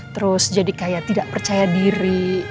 terus jadi kayak tidak percaya diri